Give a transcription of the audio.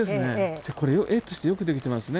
じゃあこれ絵としてよくできてますね。